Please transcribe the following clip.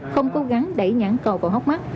không cố gắng đẩy nhãn cầu vào hóc mắt